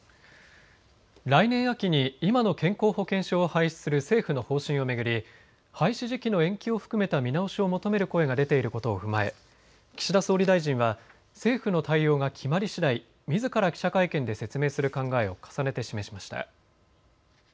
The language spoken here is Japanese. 来年秋に今の健康保険証を廃止する政府の方針を巡り廃止時期の延期を含めた見直しを求める声が出ていることを踏まえ岸田総理大臣は政府の対応が決まりしだい、みずから記者会見で説明する考えを重ねて示しました。